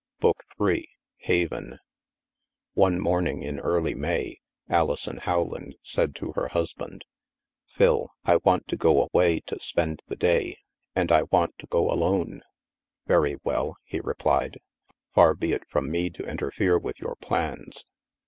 BOOK THREE HAVEN h t CHAPTER I One morning in early May, Alison Rowland said to her husband: " Phil, I want to go away to spend the day, and I want to go alone." " Very well," he replied, " far be it from me to interfere with your plans."